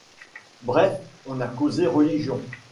Bref : on a causé religion.